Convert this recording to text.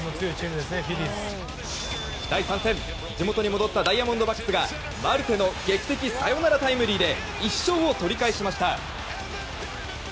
第３戦、地元に戻ったダイヤモンドバックスがマルテの劇的サヨナラタイムリーで１勝を取り返しました。